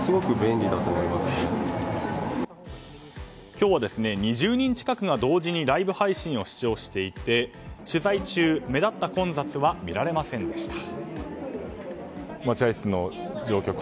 今日は２０人近くが同時にライブ配信を視聴していて取材中、目立った混雑は見られませんでした。